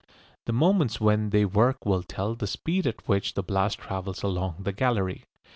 The moments when they work will tell the speed at which the blast travels along the gallery.